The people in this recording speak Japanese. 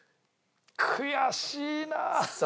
悔しいなあ！